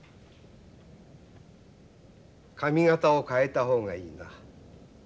髪形を変えた方がいいな。